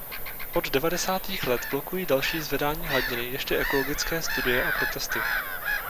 Od devadesátých let blokují další zvedání hladiny ještě ekologické studie a protesty.